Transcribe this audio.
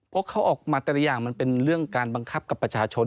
เพราะเขาออกมาแต่ละอย่างมันเป็นเรื่องการบังคับกับประชาชน